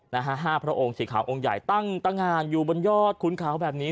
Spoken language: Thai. นะฮะห้าพระองค์สีขาวองค์ใหญ่ตั้งตะงานอยู่บนยอดขุนเขาแบบนี้